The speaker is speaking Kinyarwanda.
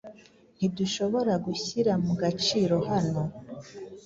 Ntiduhobora guhyira mu gaciro hano